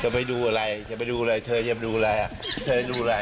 จะไปทำอะไรจะไปดูอะไรจะไปดูอะไรเธอจะไปดูอะไร